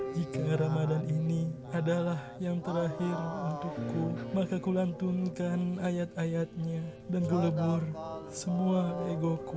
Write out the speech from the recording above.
jika ramadhan ini adalah yang terakhir untukku maka kulantunkan ayat ayatnya dan gelebur semua egoku